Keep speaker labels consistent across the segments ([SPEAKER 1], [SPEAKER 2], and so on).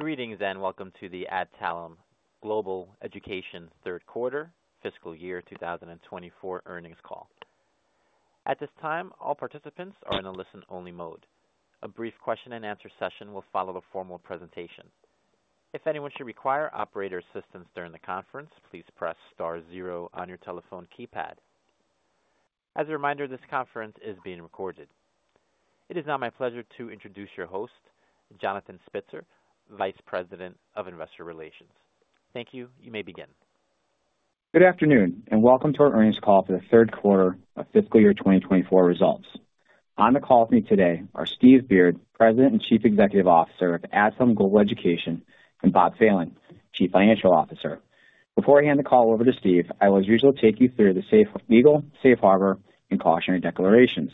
[SPEAKER 1] Greetings, and welcome to the Adtalem Global Education third quarter fiscal year 2024 earnings call. At this time, all participants are in a listen-only mode. A brief question-and-answer session will follow the formal presentation. If anyone should require operator assistance during the conference, please press star zero on your telephone keypad. As a reminder, this conference is being recorded. It is now my pleasure to introduce your host, Jonathan Spitzer, Vice President of Investor Relations. Thank you. You may begin.
[SPEAKER 2] Good afternoon, and welcome to our earnings call for the third quarter of fiscal year 2024 results. On the call with me today are Steve Beard, President and Chief Executive Officer of Adtalem Global Education, and Bob Phelan, Chief Financial Officer. Before I hand the call over to Steve, I will as usual, take you through the safe harbor, and cautionary declarations.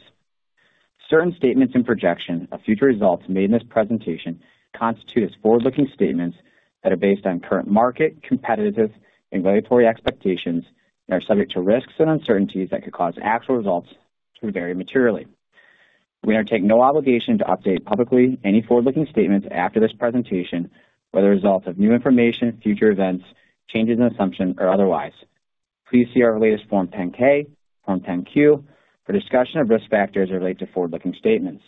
[SPEAKER 2] Certain statements and projections of future results made in this presentation constitute as forward-looking statements that are based on current market, competitive, and regulatory expectations and are subject to risks and uncertainties that could cause actual results to vary materially. We undertake no obligation to update publicly any forward-looking statements after this presentation, whether as a result of new information, future events, changes in assumptions, or otherwise. Please see our latest Form 10-K, Form 10-Q for discussion of risk factors that relate to forward-looking statements.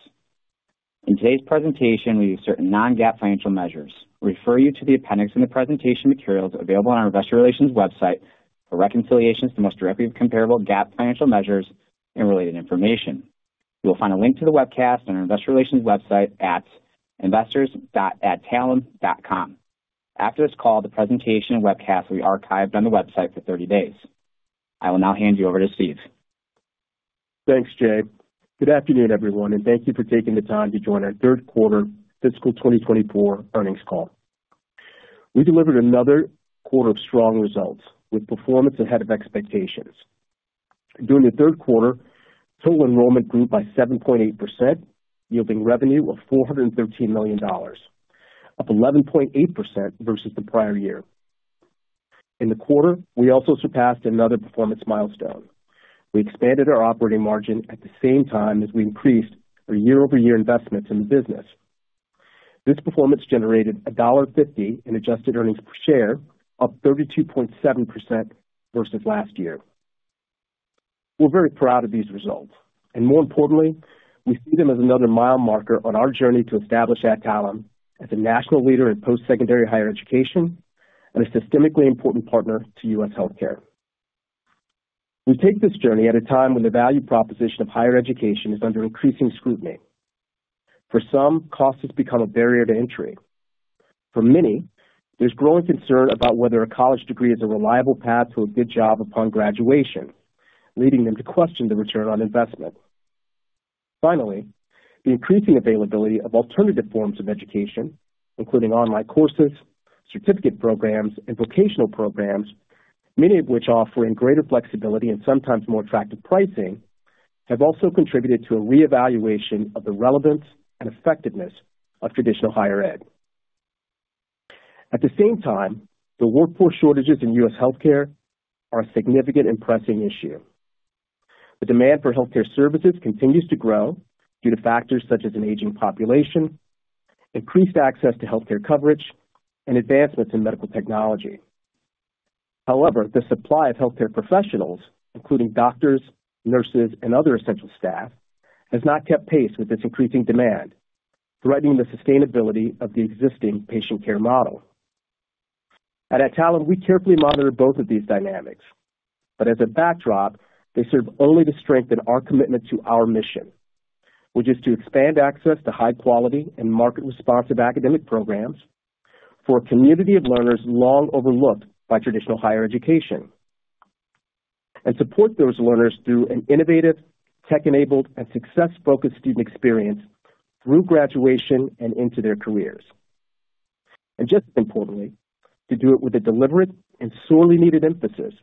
[SPEAKER 2] In today's presentation, we use certain non-GAAP financial measures. We refer you to the appendix in the presentation materials available on our investor relations website for reconciliations to the most directly comparable GAAP financial measures and related information. You will find a link to the webcast on our investor relations website at investors.adtalem.com. After this call, the presentation and webcast will be archived on the website for 30 days. I will now hand you over to Steve.
[SPEAKER 3] Thanks, Jon. Good afternoon, everyone, and thank you for taking the time to join our third quarter fiscal 2024 earnings call. We delivered another quarter of strong results, with performance ahead of expectations. During the third quarter, total enrollment grew by 7.8%, yielding revenue of $413 million, up 11.8% versus the prior year. In the quarter, we also surpassed another performance milestone. We expanded our operating margin at the same time as we increased our year-over-year investments in the business. This performance generated $1.50 in adjusted earnings per share, up 32.7% versus last year. We're very proud of these results, and more importantly, we see them as another mile marker on our journey to establish Adtalem as a national leader in post-secondary higher education and a systemically important partner to U.S. healthcare. We take this journey at a time when the value proposition of higher education is under increasing scrutiny. For some, cost has become a barrier to entry. For many, there's growing concern about whether a college degree is a reliable path to a good job upon graduation, leading them to question the return on investment. Finally, the increasing availability of alternative forms of education, including online courses, certificate programs, and vocational programs, many of which offer greater flexibility and sometimes more attractive pricing, have also contributed to a reevaluation of the relevance and effectiveness of traditional higher ed. At the same time, the workforce shortages in U.S. healthcare are a significant and pressing issue. The demand for healthcare services continues to grow due to factors such as an aging population, increased access to healthcare coverage, and advancements in medical technology. However, the supply of healthcare professionals, including doctors, nurses, and other essential staff, has not kept pace with this increasing demand, threatening the sustainability of the existing patient care model. At Adtalem, we carefully monitor both of these dynamics, but as a backdrop, they serve only to strengthen our commitment to our mission, which is to expand access to high quality and market-responsive academic programs for a community of learners long overlooked by traditional higher education, and support those learners through an innovative, tech-enabled, and success-focused student experience through graduation and into their careers. Just as importantly, to do it with a deliberate and sorely needed emphasis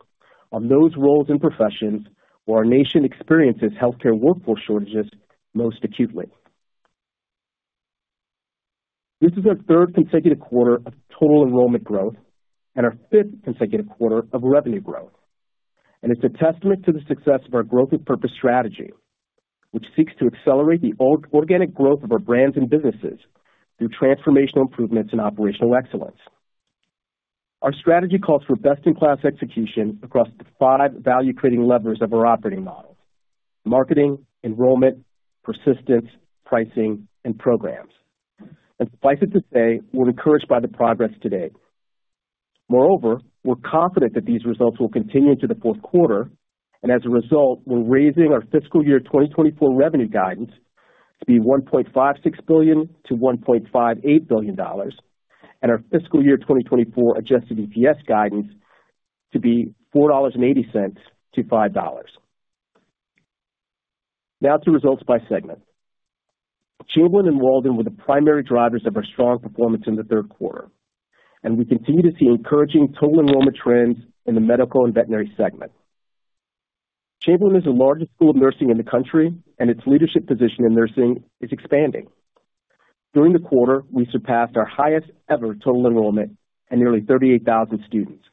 [SPEAKER 3] on those roles and professions where our nation experiences healthcare workforce shortages most acutely. This is our third consecutive quarter of total enrollment growth and our fifth consecutive quarter of revenue growth. It's a testament to the success of our Growth with Purpose strategy, which seeks to accelerate the organic growth of our brands and businesses through transformational improvements in operational excellence. Our strategy calls for best-in-class execution across the five value-creating levers of our operating model: marketing, enrollment, persistence, pricing, and programs. And suffice it to say, we're encouraged by the progress today. Moreover, we're confident that these results will continue into the fourth quarter, and as a result, we're raising our fiscal year 2024 revenue guidance to $1.56 billion-$1.58 billion, and our fiscal year 2024 Adjusted EPS guidance to $4.80-$5. Now to results by segment. Chamberlain and Walden were the primary drivers of our strong performance in the third quarter, and we continue to see encouraging total enrollment trends in the medical and veterinary segment. Chamberlain is the largest school of nursing in the country, and its leadership position in nursing is expanding. During the quarter, we surpassed our highest-ever total enrollment at nearly 38,000 students.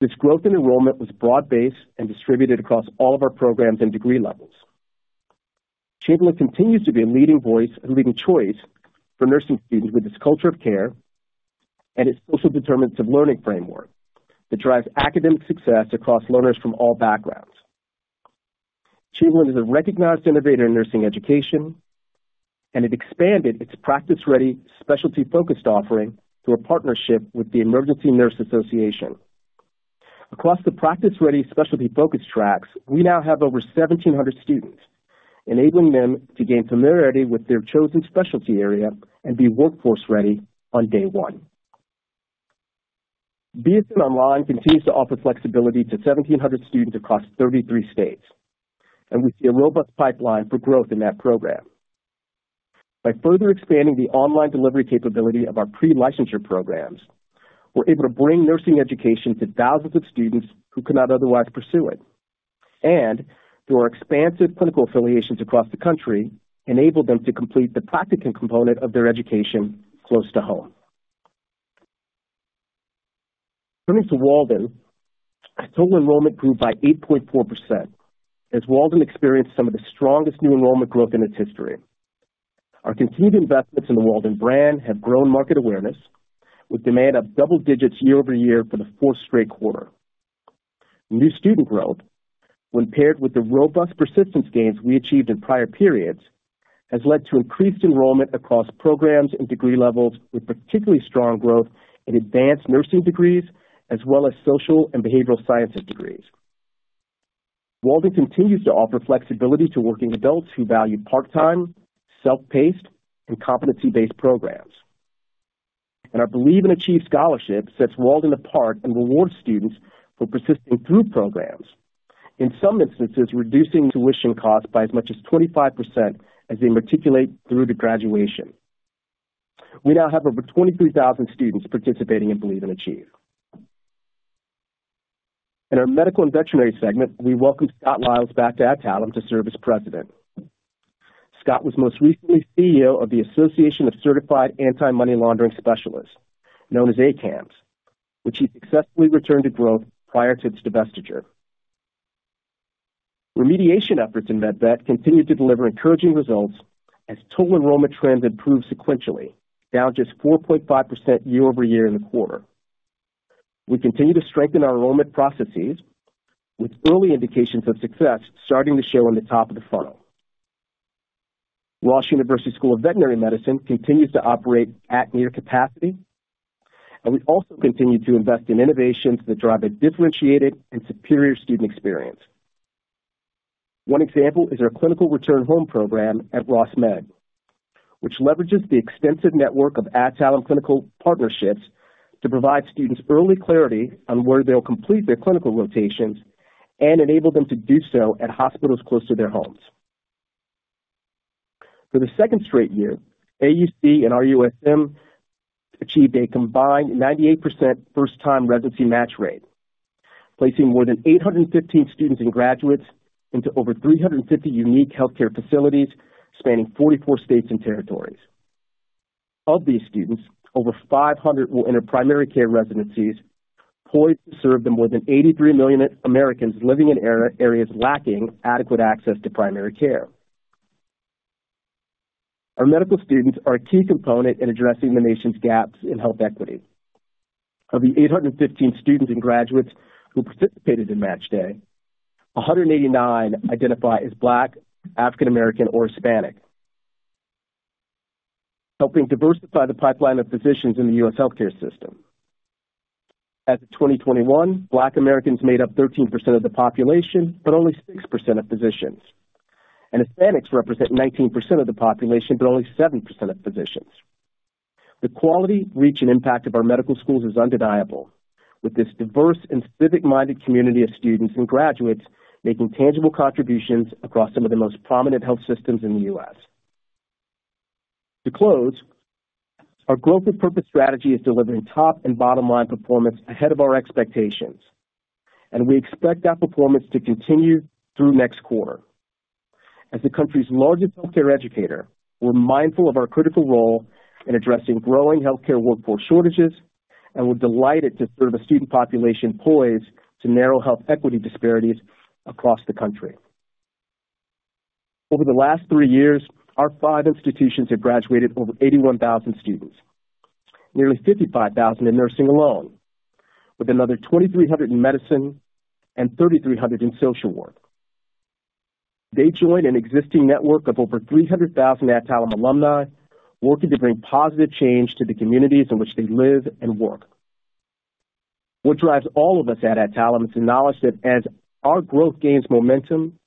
[SPEAKER 3] This growth in enrollment was broad-based and distributed across all of our programs and degree levels. Chamberlain continues to be a leading voice, a leading choice for nursing students with its culture of care and its Social Determinants of Learning framework that drives academic success across learners from all backgrounds. Chamberlain is a recognized innovator in nursing education, and it expanded its Practice-Ready, Specialty-Focused offering through a partnership with the Emergency Nurses Association. Across the Practice-Ready, Specialty-Focused tracks, we now have over 1,700 students, enabling them to gain familiarity with their chosen specialty area and be workforce-ready on day one. BSN Online continues to offer flexibility to 1,700 students across 33 states, and we see a robust pipeline for growth in that program. By further expanding the online delivery capability of our pre-licensure programs, we're able to bring nursing education to thousands of students who could not otherwise pursue it, and through our expansive clinical affiliations across the country, enable them to complete the practicum component of their education close to home. Turning to Walden, total enrollment grew by 8.4%, as Walden experienced some of the strongest new enrollment growth in its history. Our continued investments in the Walden brand have grown market awareness, with demand up double-digits year-over-year for the fourth straight quarter. New student growth, when paired with the robust persistence gains we achieved in prior periods, has led to increased enrollment across programs and degree levels, with particularly strong growth in advanced nursing degrees, as well as social and behavioral sciences degrees. Walden continues to offer flexibility to working adults who value part-time, self-paced, and competency-based programs. And our Believe and Achieve scholarship sets Walden apart and rewards students for persisting through programs, in some instances, reducing tuition costs by as much as 25% as they matriculate through to graduation. We now have over 23,000 students participating in Believe and Achieve. In our medical and veterinary segment, we welcomed Scott Liles back to Adtalem to serve as president. Scott was most recently CEO of the Association of Certified Anti-Money Laundering Specialists, known as ACAMS, which he successfully returned to growth prior to its divestiture. Remediation efforts in MedVet continued to deliver encouraging results as total enrollment trends improved sequentially, down just 4.5% year-over-year in the quarter. We continue to strengthen our enrollment processes, with early indications of success starting to show on the top of the funnel. Ross University School of Veterinary Medicine continues to operate at near capacity, and we also continue to invest in innovations that drive a differentiated and superior student experience. One example is our Clinical Return Home program at Ross Med, which leverages the extensive network of Adtalem clinical partnerships to provide students early clarity on where they'll complete their clinical rotations and enable them to do so at hospitals close to their homes. For the second straight year, AUC and RUSM achieved a combined 98% first-time residency match rate, placing more than 815 students and graduates into over 350 unique healthcare facilities spanning 44 states and territories. Of these students, over 500 will enter primary care residencies, poised to serve the more than 83 million Americans living in rural areas lacking adequate access to primary care. Our medical students are a key component in addressing the nation's gaps in health equity. Of the 815 students and graduates who participated in Match Day, 189 identify as Black, African American, or Hispanic, helping diversify the pipeline of physicians in the U.S. healthcare system. As of 2021, Black Americans made up 13% of the population, but only 6% of physicians, and Hispanics represent 19% of the population, but only 7% of physicians. The quality, reach, and impact of our medical schools is undeniable, with this diverse and civic-minded community of students and graduates making tangible contributions across some of the most prominent health systems in the U.S. To close, our Growth with Purpose strategy is delivering top and bottom line performance ahead of our expectations, and we expect that performance to continue through next quarter. As the country's largest healthcare educator, we're mindful of our critical role in addressing growing healthcare workforce shortages, and we're delighted to serve a student population poised to narrow health equity disparities across the country. Over the last three years, our five institutions have graduated over 81,000 students, nearly 55,000 in nursing alone, with another 2,300 in medicine and 3,300 in social work. They join an existing network of over 300,000 Adtalem alumni working to bring positive change to the communities in which they live and work. What drives all of us at Adtalem is the knowledge that as our growth gains momentum,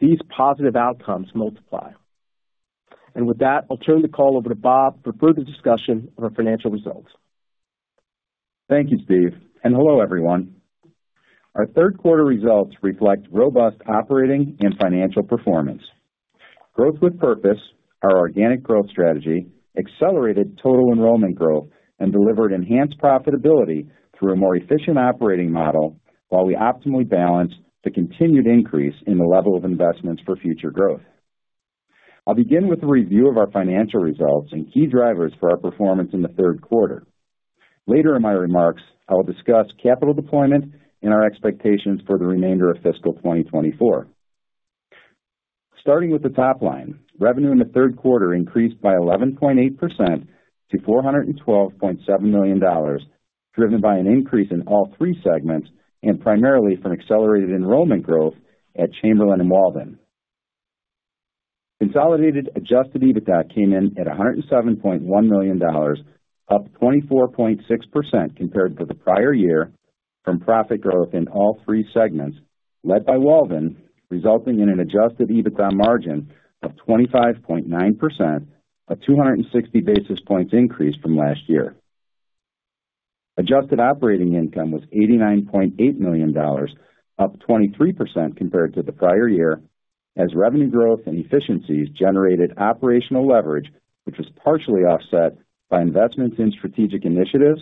[SPEAKER 3] these positive outcomes multiply. With that, I'll turn the call over to Bob for further discussion of our financial results.
[SPEAKER 4] Thank you, Steve, and hello, everyone. Our third quarter results reflect robust operating and financial performance. Growth with Purpose, our organic growth strategy, accelerated total enrollment growth and delivered enhanced profitability through a more efficient operating model, while we optimally balanced the continued increase in the level of investments for future growth.... I'll begin with a review of our financial results and key drivers for our performance in the third quarter. Later in my remarks, I will discuss capital deployment and our expectations for the remainder of fiscal 2024. Starting with the top line, revenue in the third quarter increased by 11.8% to $412.7 million, driven by an increase in all three segments, and primarily from accelerated enrollment growth at Chamberlain and Walden. Consolidated Adjusted EBITDA came in at $107.1 million, up 24.6% compared to the prior year, from profit growth in all three segments, led by Walden, resulting in an Adjusted EBITDA margin of 25.9%, a 260 basis points increase from last year. Adjusted operating income was $89.8 million, up 23% compared to the prior year, as revenue growth and efficiencies generated operational leverage, which was partially offset by investments in strategic initiatives,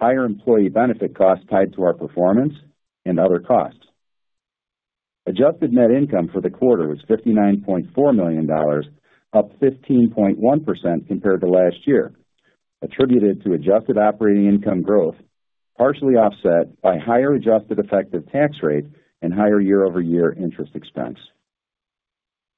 [SPEAKER 4] higher employee benefit costs tied to our performance, and other costs. Adjusted net income for the quarter was $59.4 million, up 15.1% compared to last year, attributed to adjusted operating income growth, partially offset by higher adjusted effective tax rate and higher year-over-year interest expense.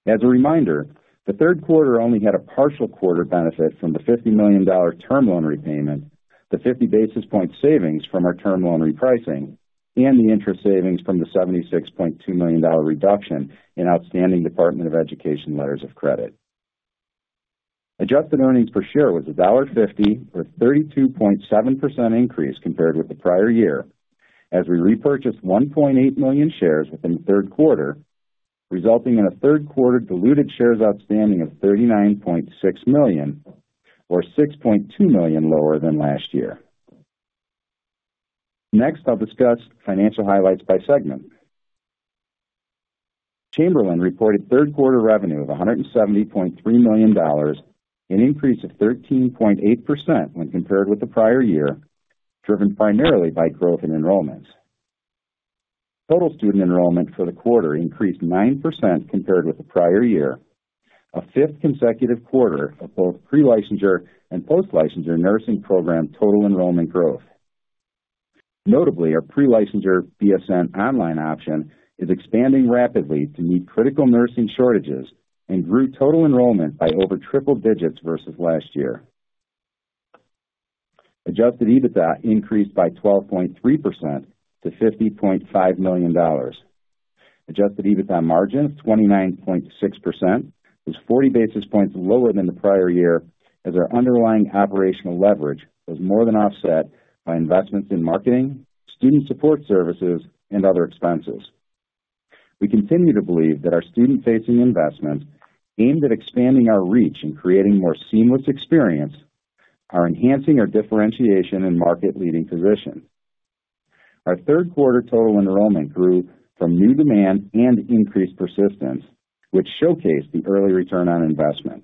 [SPEAKER 4] As a reminder, the third quarter only had a partial quarter benefit from the $50 million term loan repayment, the 50 basis point savings from our term loan repricing, and the interest savings from the $76.2 million reduction in outstanding Department of Education letters of credit. Adjusted earnings per share was $1.50, or 32.7% increase compared with the prior year, as we repurchased 1.8 million shares within the third quarter, resulting in a third quarter diluted shares outstanding of 39.6 million, or 6.2 million lower than last year. Next, I'll discuss financial highlights by segment. Chamberlain reported third quarter revenue of $170.3 million, an increase of 13.8% when compared with the prior year, driven primarily by growth in enrollments. Total student enrollment for the quarter increased 9% compared with the prior year, a fifth consecutive quarter of both pre-licensure and post-licensure nursing program total enrollment growth. Notably, our pre-licensure BSN online option is expanding rapidly to meet critical nursing shortages and grew total enrollment by over triple digits versus last year. Adjusted EBITDA increased by 12.3% to $50.5 million. Adjusted EBITDA margin of 29.6% was 40 basis points lower than the prior year, as our underlying operational leverage was more than offset by investments in marketing, student support services, and other expenses. We continue to believe that our student-facing investments, aimed at expanding our reach and creating more seamless experience, are enhancing our differentiation and market-leading position. Our third quarter total enrollment grew from new demand and increased persistence, which showcased the early return on investment.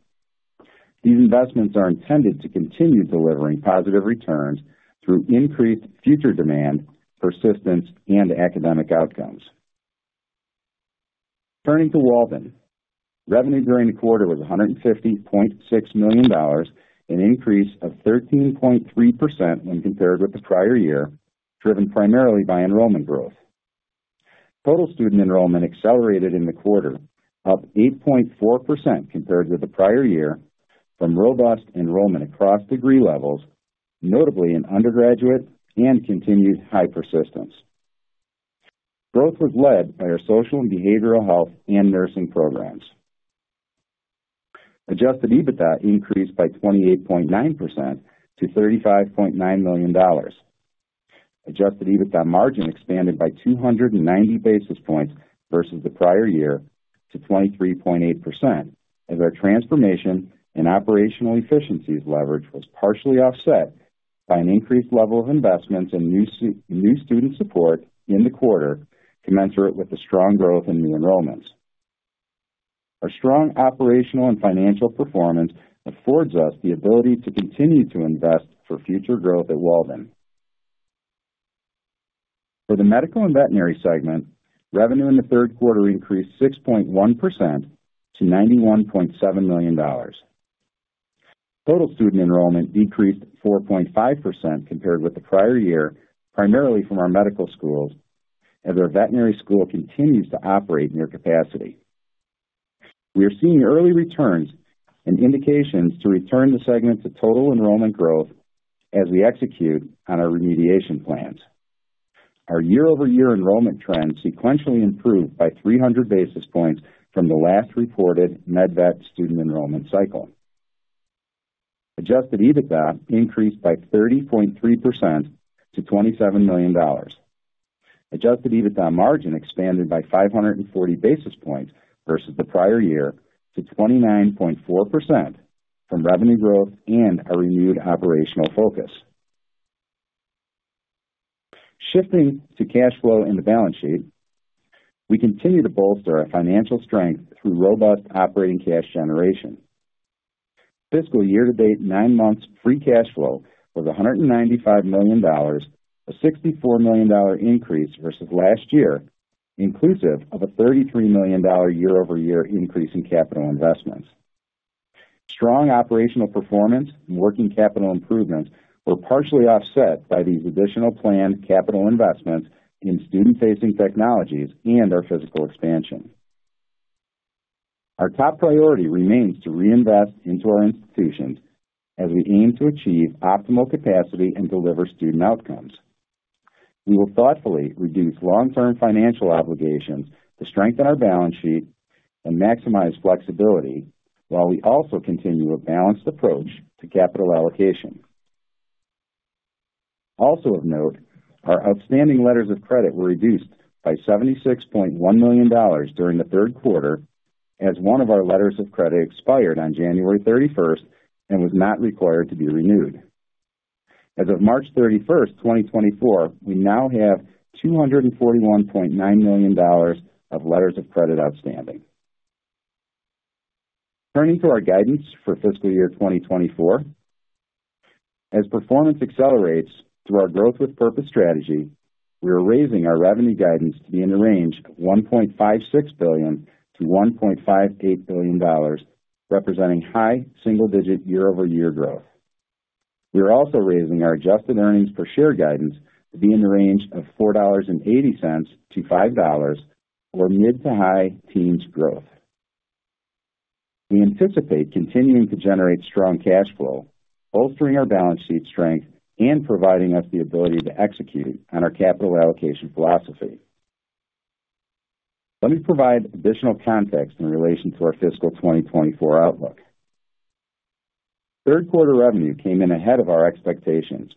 [SPEAKER 4] These investments are intended to continue delivering positive returns through increased future demand, persistence, and academic outcomes. Turning to Walden. Revenue during the quarter was $150.6 million, an increase of 13.3% when compared with the prior year, driven primarily by enrollment growth. Total student enrollment accelerated in the quarter, up 8.4% compared with the prior year, from robust enrollment across degree levels, notably in undergraduate and continued high persistence. Growth was led by our social and behavioral health and nursing programs. Adjusted EBITDA increased by 28.9% to $35.9 million. Adjusted EBITDA margin expanded by 290 basis points versus the prior year to 23.8%, as our transformation and operational efficiencies leverage was partially offset by an increased level of investments in new student support in the quarter, commensurate with the strong growth in new enrollments. Our strong operational and financial performance affords us the ability to continue to invest for future growth at Walden. For the medical and veterinary segment, revenue in the third quarter increased 6.1% to $91.7 million. Total student enrollment decreased 4.5% compared with the prior year, primarily from our medical schools, as our veterinary school continues to operate near capacity. We are seeing early returns and indications to return the segment to total enrollment growth as we execute on our remediation plans. Our year-over-year enrollment trends sequentially improved by 300 basis points from the last reported MedVet student enrollment cycle. Adjusted EBITDA increased by 30.3% to $27 million. Adjusted EBITDA margin expanded by 540 basis points versus the prior year to 29.4% from revenue growth and a renewed operational focus. Shifting to cash flow and the balance sheet, we continue to bolster our financial strength through robust operating cash generation. Fiscal year-to-date, nine months free cash flow was $195 million, a $64 million increase versus last year, inclusive of a $33 million year-over-year increase in capital investments. Strong operational performance and working capital improvements were partially offset by these additional planned capital investments in student-facing technologies and our physical expansion. Our top priority remains to reinvest into our institutions as we aim to achieve optimal capacity and deliver student outcomes. We will thoughtfully reduce long-term financial obligations to strengthen our balance sheet and maximize flexibility, while we also continue a balanced approach to capital allocation. Also of note, our outstanding letters of credit were reduced by $76.1 million during the third quarter, as one of our letters of credit expired on January 31st and was not required to be renewed. As of March 31st, 2024, we now have $241.9 million of letters of credit outstanding. Turning to our guidance for fiscal year 2024. As performance accelerates through our Growth with Purpose strategy, we are raising our revenue guidance to be in the range of $1.56 billion-$1.58 billion, representing high single-digit year-over-year growth. We are also raising our adjusted earnings per share guidance to be in the range of $4.80-$5, or mid- to high-teens growth. We anticipate continuing to generate strong cash flow, bolstering our balance sheet strength and providing us the ability to execute on our capital allocation philosophy. Let me provide additional context in relation to our fiscal 2024 outlook. Third quarter revenue came in ahead of our expectations.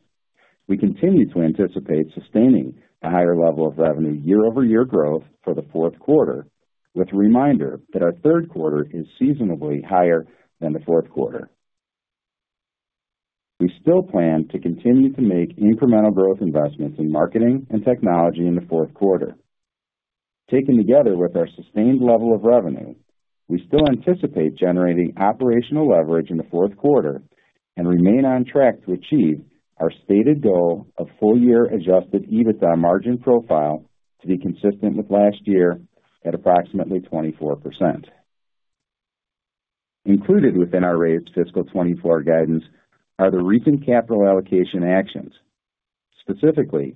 [SPEAKER 4] We continue to anticipate sustaining a higher level of revenue year-over-year growth for the fourth quarter, with a reminder that our third quarter is seasonally higher than the fourth quarter. We still plan to continue to make incremental growth investments in marketing and technology in the fourth quarter. Taken together with our sustained level of revenue, we still anticipate generating operational leverage in the fourth quarter and remain on track to achieve our stated goal of full-year Adjusted EBITDA margin profile to be consistent with last year at approximately 24%. Included within our raised fiscal 2024 guidance are the recent capital allocation actions, specifically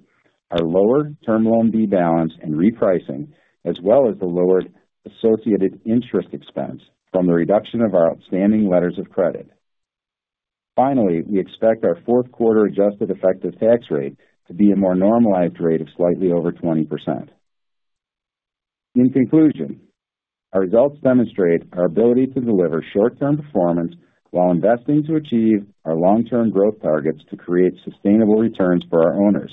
[SPEAKER 4] our lower Term Loan B balance and repricing, as well as the lowered associated interest expense from the reduction of our outstanding letters of credit. Finally, we expect our fourth quarter adjusted effective tax rate to be a more normalized rate of slightly over 20%. In conclusion, our results demonstrate our ability to deliver short-term performance while investing to achieve our long-term growth targets to create sustainable returns for our owners.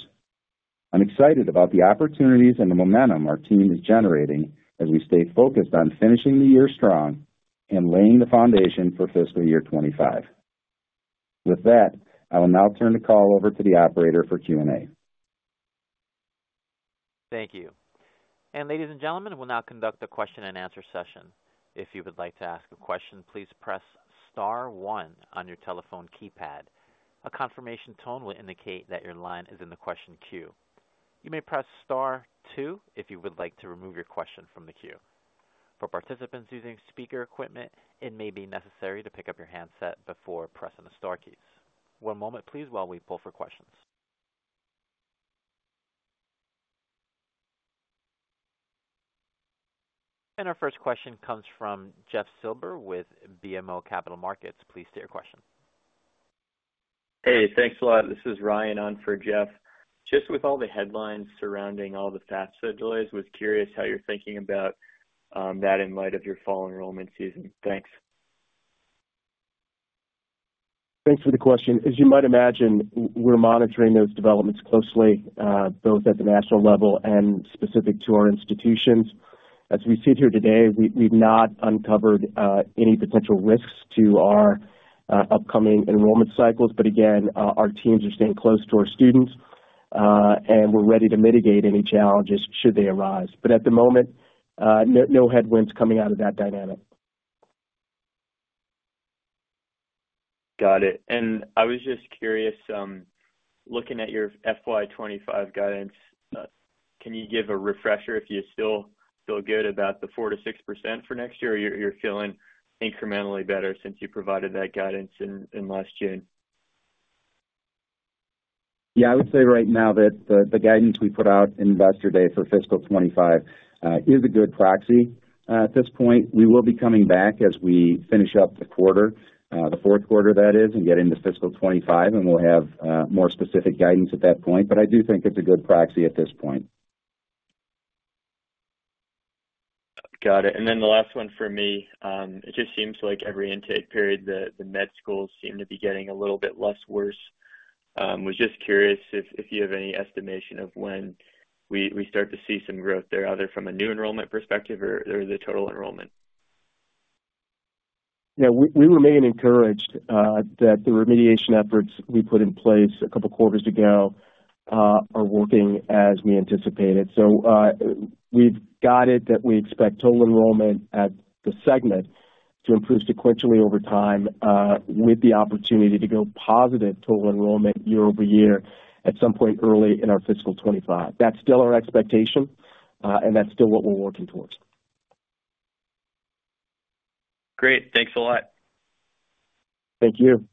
[SPEAKER 4] I'm excited about the opportunities and the momentum our team is generating as we stay focused on finishing the year strong and laying the foundation for fiscal year 2025. With that, I will now turn the call over to the operator for Q&A.
[SPEAKER 1] Thank you. Ladies and gentlemen, we'll now conduct a question-and-answer session. If you would like to ask a question, please press star one on your telephone keypad. A confirmation tone will indicate that your line is in the question queue. You may press star two if you would like to remove your question from the queue. For participants using speaker equipment, it may be necessary to pick up your handset before pressing the star keys. One moment, please, while we pull for questions. Our first question comes from Jeff Silber with BMO Capital Markets. Please state your question.
[SPEAKER 5] Hey, thanks a lot. This is Ryan on for Jeff. Just with all the headlines surrounding all the FAFSA delays, was curious how you're thinking about that in light of your fall enrollment season? Thanks.
[SPEAKER 3] Thanks for the question. As you might imagine, we're monitoring those developments closely, both at the national level and specific to our institutions. As we sit here today, we've not uncovered any potential risks to our upcoming enrollment cycles. But again, our teams are staying close to our students, and we're ready to mitigate any challenges should they arise. But at the moment, no headwinds coming out of that dynamic.
[SPEAKER 5] Got it. And I was just curious, looking at your FY 2025 guidance, can you give a refresher if you still feel good about the 4%-6% for next year, or you're feeling incrementally better since you provided that guidance in last June?
[SPEAKER 4] Yeah, I would say right now that the guidance we put out in Investor Day for fiscal 2025 is a good proxy. At this point, we will be coming back as we finish up the quarter, the fourth quarter that is, and get into fiscal 2025, and we'll have more specific guidance at that point. But I do think it's a good proxy at this point.
[SPEAKER 5] Got it. And then the last one for me. It just seems like every intake period, the med schools seem to be getting a little bit less worse. Was just curious if you have any estimation of when we start to see some growth there, either from a new enrollment perspective or the total enrollment.
[SPEAKER 3] Yeah, we remain encouraged that the remediation efforts we put in place a couple quarters ago-... are working as we anticipated. So, we've guided that we expect total enrollment at the segment to improve sequentially over time, with the opportunity to grow positive total enrollment year-over-year at some point early in our fiscal 2025. That's still our expectation, and that's still what we're working towards.
[SPEAKER 5] Great. Thanks a lot.
[SPEAKER 3] Thank you.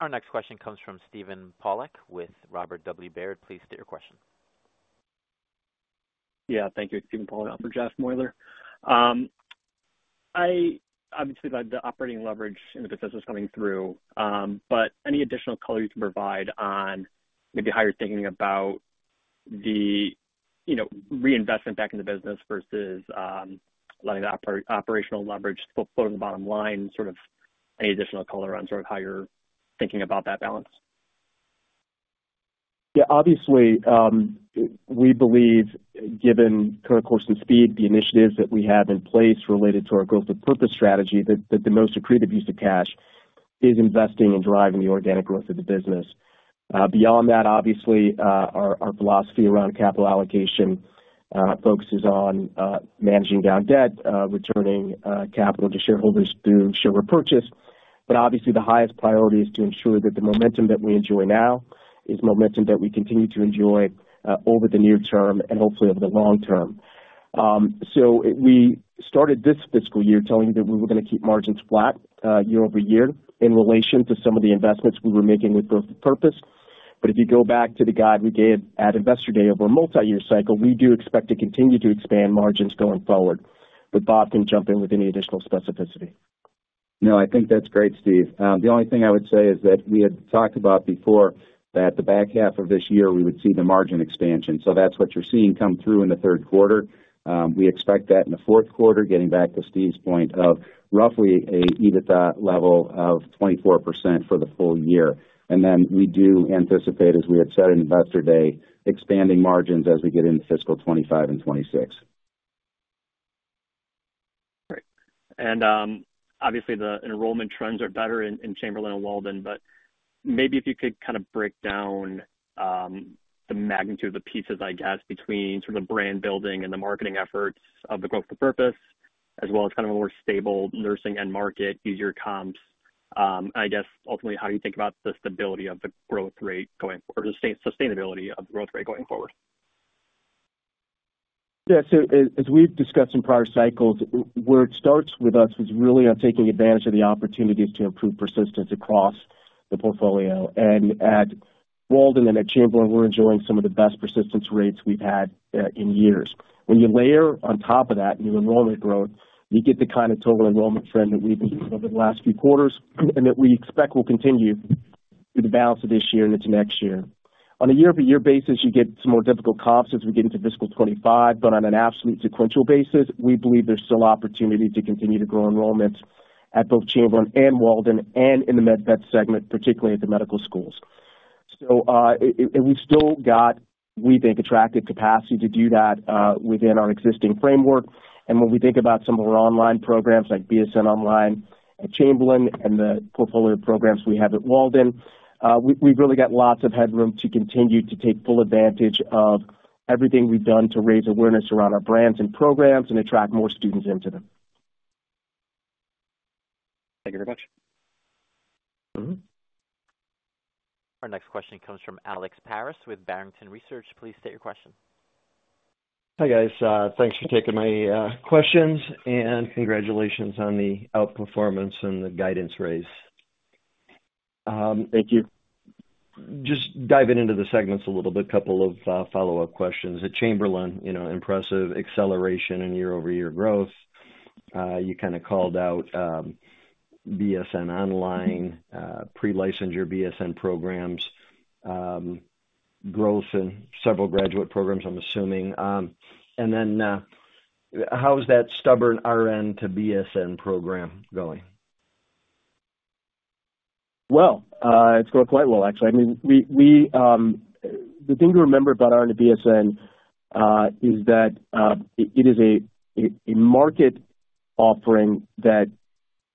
[SPEAKER 1] Our next question comes from Steven Pawlak with Robert W. Baird. Please state your question.
[SPEAKER 6] Yeah, thank you. Steven Pawlak for Jeff Meuler. Obviously, about the operating leverage in the business is coming through, but any additional color you can provide on maybe how you're thinking about the, you know, reinvestment back in the business versus, letting the operational leverage flow to the bottom line, sort of any additional color around sort of how you're thinking about that balance?
[SPEAKER 3] Yeah, obviously, we believe, given current course and speed, the initiatives that we have in place related to our Growth with Purpose strategy, that the most accretive use of cash is investing and driving the organic growth of the business. Beyond that, obviously, our philosophy around capital allocation focuses on managing down debt, returning capital to shareholders through share repurchase. But obviously, the highest priority is to ensure that the momentum that we enjoy now is momentum that we continue to enjoy over the near term and hopefully, over the long term. So we started this fiscal year telling you that we were gonna keep margins flat year-over-year in relation to some of the investments we were making with Growth and Purpose. But if you go back to the guide we gave at Investor Day, over a multi-year cycle, we do expect to continue to expand margins going forward. But Bob can jump in with any additional specificity.
[SPEAKER 4] No, I think that's great, Steve. The only thing I would say is that we had talked about before that the back half of this year, we would see the margin expansion. So that's what you're seeing come through in the third quarter. We expect that in the fourth quarter, getting back to Steve's point of roughly an EBITDA level of 24% for the full year. And then we do anticipate, as we had said in Investor Day, expanding margins as we get into fiscal 2025 and 2026.
[SPEAKER 6] Great. And, obviously, the enrollment trends are better in Chamberlain and Walden, but maybe if you could kind of break down the magnitude of the pieces, I guess, between sort of the brand building and the marketing efforts of the Growth with Purpose, as well as kind of a more stable nursing end market, easier comps. And I guess, ultimately, how you think about the stability of the growth rate going forward, or the sustainability of the growth rate going forward?
[SPEAKER 3] Yeah. So as we've discussed in prior cycles, where it starts with us is really on taking advantage of the opportunities to improve persistence across the portfolio. And at Walden and at Chamberlain, we're enjoying some of the best persistence rates we've had in years. When you layer on top of that, new enrollment growth, you get the kind of total enrollment trend that we've been seeing over the last few quarters, and that we expect will continue through the balance of this year into next year. On a year-over-year basis, you get some more difficult comps as we get into fiscal 2025, but on an absolute sequential basis, we believe there's still opportunity to continue to grow enrollments at both Chamberlain and Walden and in the med vet segment, particularly at the medical schools. So, and we've still got, we think, attractive capacity to do that, within our existing framework. And when we think about some of our online programs, like BSN Online at Chamberlain and the portfolio of programs we have at Walden, we've really got lots of headroom to continue to take full advantage of everything we've done to raise awareness around our brands and programs and attract more students into them.
[SPEAKER 6] Thank you very much.
[SPEAKER 3] Mm-hmm.
[SPEAKER 1] Our next question comes from Alex Paris with Barrington Research. Please state your question.
[SPEAKER 7] Hi, guys, thanks for taking my questions, and congratulations on the outperformance and the guidance raise.
[SPEAKER 3] Thank you.
[SPEAKER 7] Just diving into the segments a little bit, couple of follow-up questions. At Chamberlain, you know, impressive acceleration and year-over-year growth. You kind of called out BSN Online, pre-licensure BSN programs, growth in several graduate programs, I'm assuming. And then, how is that stubborn RN to BSN program going?
[SPEAKER 3] Well, it's going quite well, actually. I mean, we, we... The thing to remember about RN to BSN is that, it is a, a market offering that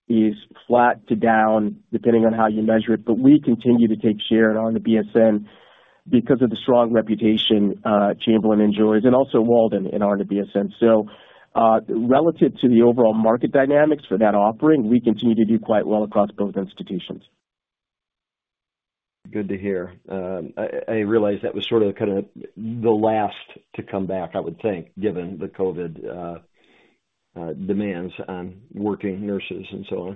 [SPEAKER 3] is flat to down, depending on how you measure it. But we continue to take share in RN to BSN because of the strong reputation, Chamberlain enjoys, and also Walden in RN to BSN. So, relative to the overall market dynamics for that offering, we continue to do quite well across both institutions.
[SPEAKER 7] Good to hear. I realize that was sort of, kind of the last to come back, I would think, given the COVID demands on working nurses and so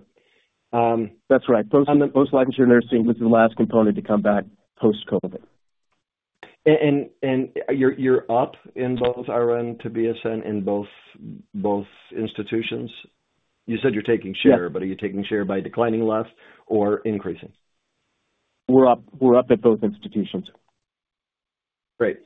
[SPEAKER 7] on.
[SPEAKER 3] That's right. Post-licensure nursing was the last component to come back post-COVID.
[SPEAKER 7] And you're up in both RN to BSN in both institutions? You said you're taking share-
[SPEAKER 3] Yes.
[SPEAKER 7] But are you taking share by declining less or increasing?
[SPEAKER 3] We're up, we're up at both institutions.
[SPEAKER 7] Great.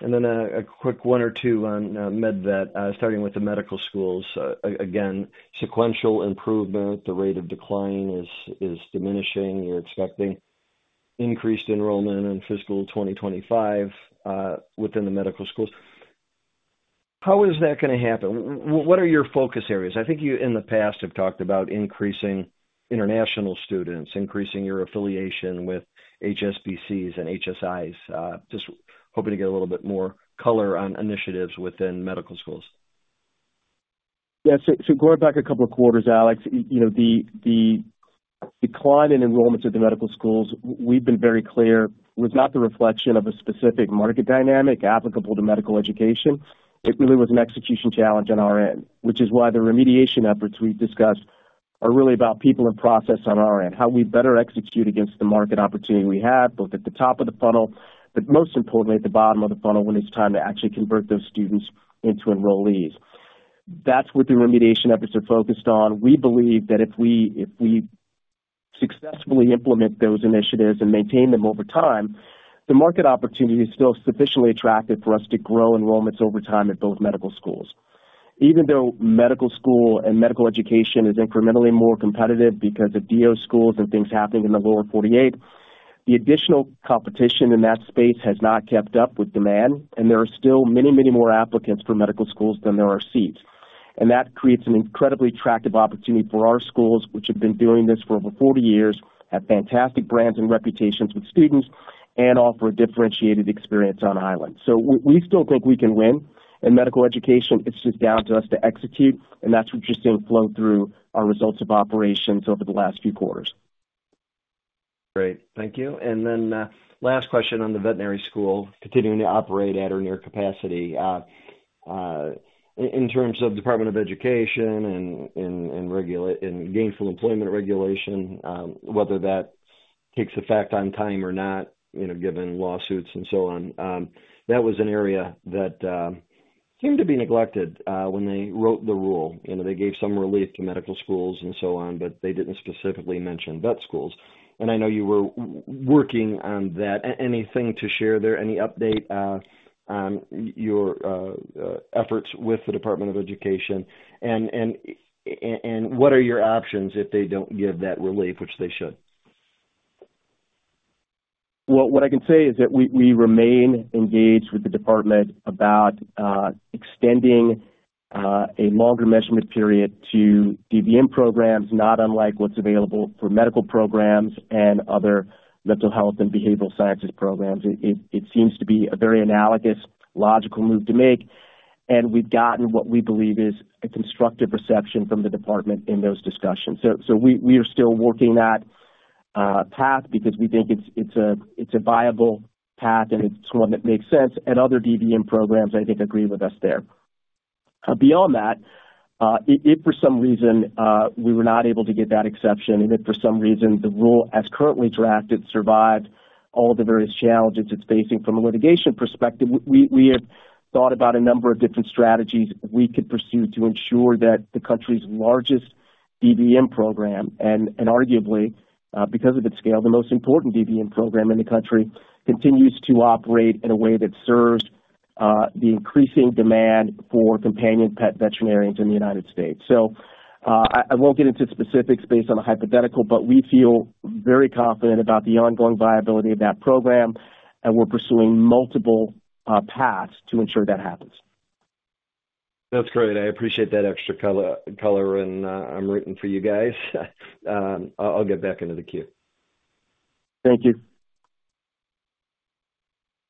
[SPEAKER 7] And then a quick one or two on MedVet, starting with the medical schools. Again, sequential improvement, the rate of decline is diminishing. You're expecting increased enrollment in fiscal 2025 within the medical schools. How is that going to happen? What are your focus areas? I think you, in the past, have talked about increasing international students, increasing your affiliation with HBCUs and HSIs. Just hoping to get a little bit more color on initiatives within medical schools.
[SPEAKER 3] Yeah. So going back a couple of quarters, Alex, you know, the decline in enrollments at the medical schools, we've been very clear, was not the reflection of a specific market dynamic applicable to medical education. It really was an execution challenge on our end, which is why the remediation efforts we've discussed are really about people and process on our end, how we better execute against the market opportunity we have, both at the top of the funnel, but most importantly, at the bottom of the funnel, when it's time to actually convert those students into enrollees. That's what the remediation efforts are focused on. We believe that if we successfully implement those initiatives and maintain them over time, the market opportunity is still sufficiently attractive for us to grow enrollments over time at both medical schools. Even though medical school and medical education is incrementally more competitive because of DO schools and things happening in the Lower 48, the additional competition in that space has not kept up with demand, and there are still many, many more applicants for medical schools than there are seats. And that creates an incredibly attractive opportunity for our schools, which have been doing this for over 40 years, have fantastic brands and reputations with students, and offer a differentiated experience on island. So we still think we can win in medical education. It's just down to us to execute, and that's what you're seeing flow through our results of operations over the last few quarters.
[SPEAKER 7] Great. Thank you. And then last question on the veterinary school continuing to operate at or near capacity. In terms of Department of Education and Gainful Employment regulation, whether that takes effect on time or not, you know, given lawsuits and so on, that was an area that seemed to be neglected when they wrote the rule. You know, they gave some relief to medical schools and so on, but they didn't specifically mention vet schools, and I know you were working on that. Anything to share there? Any update on your efforts with the Department of Education? And what are your options if they don't give that relief, which they should?
[SPEAKER 3] Well, what I can say is that we remain engaged with the department about extending a longer measurement period to DVM programs, not unlike what's available for medical programs and other mental health and behavioral sciences programs. It seems to be a very analogous, logical move to make, and we've gotten what we believe is a constructive reception from the department in those discussions. So we are still working that path because we think it's a viable path, and it's one that makes sense, and other DVM programs, I think, agree with us there. Beyond that, if for some reason we were not able to get that exception, and if for some reason the rule, as currently drafted, survives all the various challenges it's facing from a litigation perspective, we have thought about a number of different strategies we could pursue to ensure that the country's largest DVM program, and arguably, because of its scale, the most important DVM program in the country, continues to operate in a way that serves the increasing demand for companion pet veterinarians in the United States. So, I won't get into specifics based on a hypothetical, but we feel very confident about the ongoing viability of that program, and we're pursuing multiple paths to ensure that happens.
[SPEAKER 7] That's great. I appreciate that extra color, and I'm rooting for you guys. I'll get back into the queue.
[SPEAKER 3] Thank you.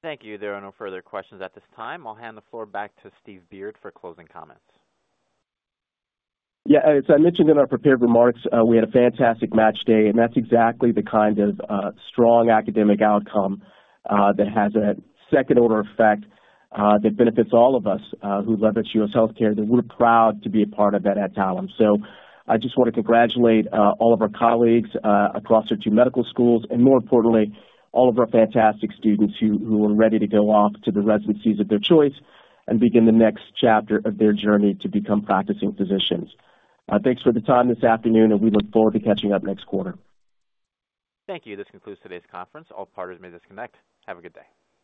[SPEAKER 1] Thank you. There are no further questions at this time. I'll hand the floor back to Steve Beard for closing comments.
[SPEAKER 3] Yeah, as I mentioned in our prepared remarks, we had a fantastic Match Day, and that's exactly the kind of strong academic outcome that has a second-order effect that benefits all of us who love U.S. healthcare, and we're proud to be a part of that at Adtalem. So I just want to congratulate all of our colleagues across our two medical schools, and more importantly, all of our fantastic students who, who are ready to go off to the residencies of their choice and begin the next chapter of their journey to become practicing physicians. Thanks for the time this afternoon, and we look forward to catching up next quarter.
[SPEAKER 1] Thank you. This concludes today's conference. All parties may disconnect. Have a good day.